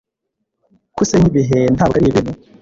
Kusenya ibihe ntabwo ari ibintu.